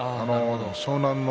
湘南乃